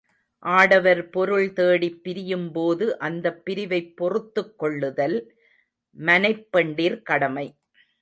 ஆடவர் பொருள் தேடிப் பிரியும்போது, அந்தப் பிரிவைப் பொறுத்துக் கொள்ளுதல் மனைப் பெண்டிர் கடமை.